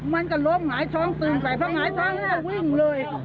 มันก็ล้มหายท้องตื่นไปพอหายท้องก็วิ่งเลย